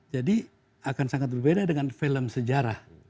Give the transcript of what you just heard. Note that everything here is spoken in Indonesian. jadi akan sangat berbeda dengan film sejarah